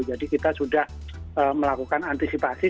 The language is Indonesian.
jadi kita sudah melakukan antisipasi